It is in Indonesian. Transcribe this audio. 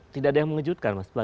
tidak ada yang mengejutkan mas